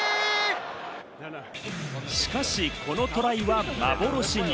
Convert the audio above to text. しかし、このトライは幻に。